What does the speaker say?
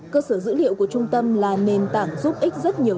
cơ sở dữ liệu của trung tâm là nền tảng giúp ích rất nhiều